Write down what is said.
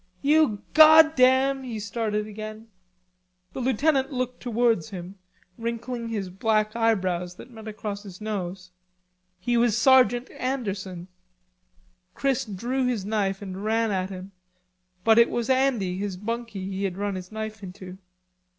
"You goddam..." he started again. The lieutenant looked towards him, wrinkling his black eyebrows that met across his nose. He was Sergeant Anderson. Chris drew his knife and ran at him, but it was Andy his bunkie he had run his knife into.